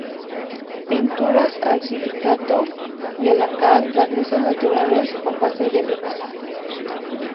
Pinturas al silicato y a la cal, Barnices naturales con base de linaza.